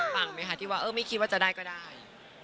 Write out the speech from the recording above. ฟังไหมคะที่ว่าเออไม่คิดว่าจะได้ก็ได้